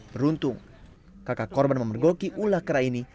beruntung kakak korban memergoki ulah kera ini